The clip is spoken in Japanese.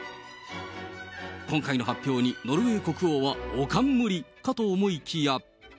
今回の発表にノルウェー国王はおかんむりかと思いきや。